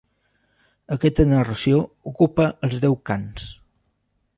Aquesta narració ocupa els deu cants.